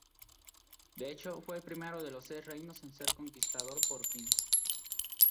De hecho fue el primero de los seis reinos en ser conquistador por Qin.